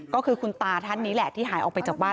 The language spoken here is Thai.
ก็คือคุณตาท่านนี้แหละที่หายออกไปจากบ้าน